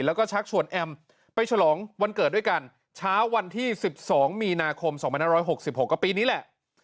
แล้วก็ชักชวนแอมไปฉลองวันเกิดด้วยกันเช้าวันที่๑๒มีนาคม๒๕๖๖ก็ปีนี้แหละ